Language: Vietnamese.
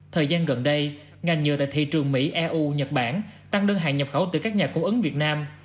thời gian gần đây ngành nhựa tại thị trường mỹ eu nhật bản tăng đơn hàng nhập khẩu từ các nhà cung ứng việt nam